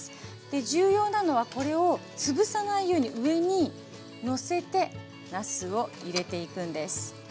重要なのはこれを潰さないように上にのせてなすを入れていくんです。